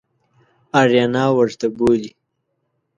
آریانا ورته بولي.